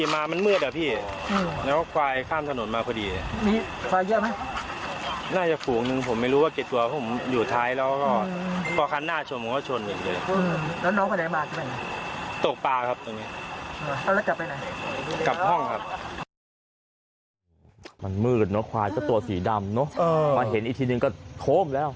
มันมืดเนอะควายก็ตัวสีดำเนอะมาเห็นอีกทีนึงก็โค้มแล้ว